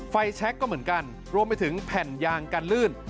แช็คก็เหมือนกันรวมไปถึงแผ่นยางกันลื่น